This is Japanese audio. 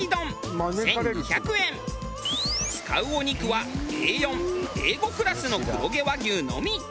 使うお肉はＡ４Ａ５クラスの黒毛和牛のみ。